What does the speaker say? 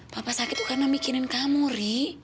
papa sakit tuh karena mikirin kamu ri